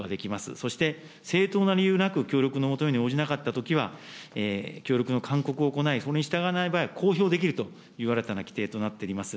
そして正当な理由なく協力の求めに応じなかったときには、協力の勧告を行い、それに従わない場合、公表できるという、新たな規定となっております。